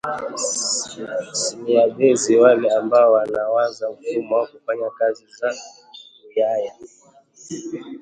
Siwabezi wale ambao wanawaza mfano kufanya kazi za uyaya